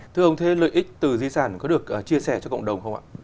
thưa ông thế lợi ích từ di sản có được chia sẻ cho cộng đồng không ạ